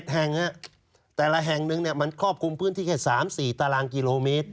แห่งแต่ละแห่งหนึ่งมันครอบคลุมพื้นที่แค่๓๔ตารางกิโลเมตร